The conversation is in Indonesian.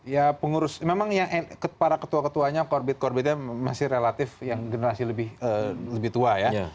ya pengurus memang yang para ketua ketuanya korbit korbitnya masih relatif yang generasi lebih tua ya